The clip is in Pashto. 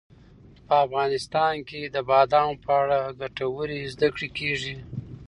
په افغانستان کې د بادامو په اړه ګټورې زده کړې کېږي.